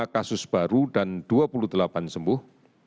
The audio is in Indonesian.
satu ratus lima kasus baru dan dua puluh delapan sembuh